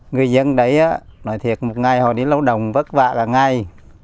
nhưng đấy á nói thiệt một ngày họ đi lau đồng vất vả cả ngày